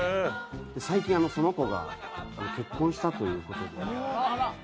最近、その子が結婚したということで。